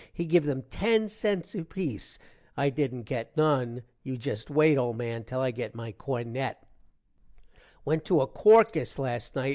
he give them ten cents apeace. i dident get none. you gest wait, old man till i git my cornet. Went to a corcus last night.